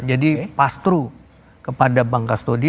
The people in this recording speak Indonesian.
jadi pas through kepada bank kastodi